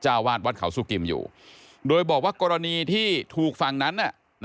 วาดวัดเขาสุกิมอยู่โดยบอกว่ากรณีที่ถูกฝั่งนั้นน่ะ